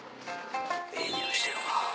ええ匂いしてるわ。